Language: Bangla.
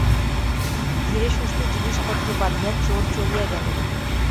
ধীরে সুস্থে জিনিসপত্র বাঁধিয়া চোর চলিয়া গেল।